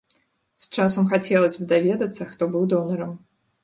З часам хацелася б даведацца, хто быў донарам.